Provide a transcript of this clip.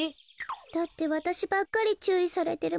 だってわたしばっかりちゅういされてるもの。